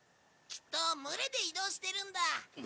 きっと群れで移動してるんだ。